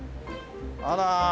あら。